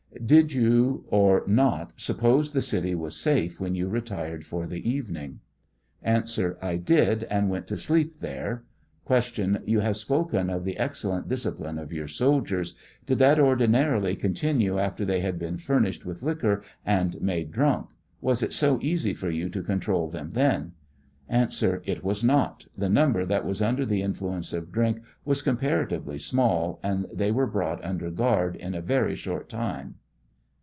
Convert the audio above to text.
Did you or not suppose the city was safe when you retired for the evening ? 70 A. I did and went to sleep there. Q. You have spoken of the excellent discipline of your soldiers ; did that ordinarily continue after they had been furnished with liquor and made drunk ; was it so easy for you to control them then ? A. It was not ; the number that was under the influ ence of drink was comparatively small, and they were brought under guard in a very short time.